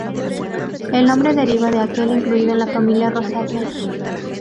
El nombre deriva de aquel incluido en la familia Rosaceae.